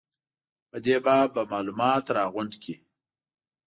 په دې باب به معلومات راغونډ کړي.